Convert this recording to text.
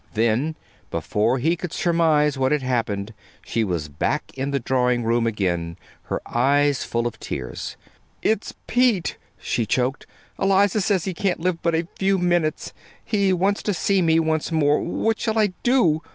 Then, before he could surmise what had happened, she was back in the drawing room again, her eyes full of tears. "It's Pete," she choked. "Eliza says he can't live but a few minutes. He wants to see me once more. What shall I do?